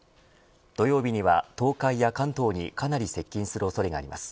土曜日には東海や関東にかなり接近する恐れがあります。